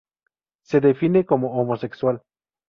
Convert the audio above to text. Se define como homosexual.